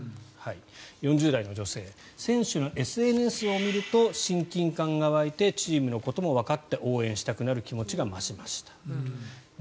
４０代の女性選手のＳＮＳを見ると親近感が湧いてチームのこともわかって応援したいという気持ちが沸きました。